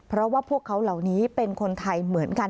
เพราะว่าพวกเขาเหล่านี้เป็นคนไทยเหมือนกัน